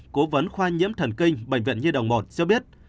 cố vấn khoa nhiễm thần kinh bệnh viện nhi đồng một cho biết